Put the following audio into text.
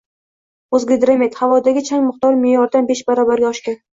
O‘zgidromet: Havodagi chang miqdori me’yordanbeshbarobarga oshgan